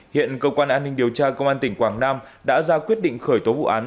hiện cơ quan an ninh điều tra công an tỉnh quảng nam đã ra quyết định khởi tố vụ án